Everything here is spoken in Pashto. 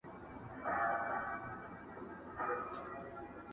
o د کلال په کور کي روغه کوزه نسته٫